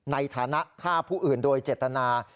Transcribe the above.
ในฐานะฆ่าผู้อื่นโดยเจตนา